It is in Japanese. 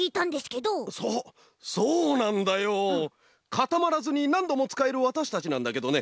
かたまらずになんどもつかえるわたしたちなんだけどね